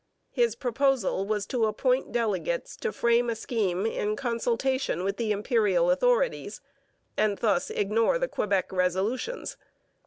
His proposal was to appoint delegates to frame a scheme in consultation with the Imperial authorities, and thus ignore the Quebec resolutions.